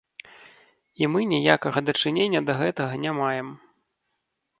І мы ніякага дачынення да гэтага не маем.